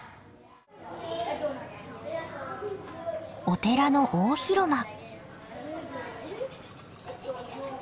お寺の大広間。